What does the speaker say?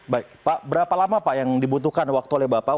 baik pak berapa lama pak yang dibutuhkan waktu oleh bapak